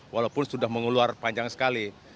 walaupun sudah mengeluar panjang sekali